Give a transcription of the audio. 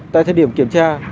tại thời điểm kiểm tra